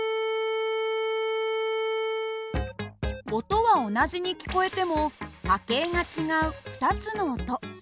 音は同じに聞こえても波形が違う２つの音。